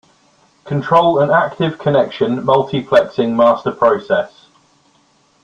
Control an active connection multiplexing master process.